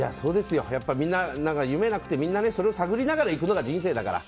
みんな夢がなくてそれを探りながら行くのが人生だから。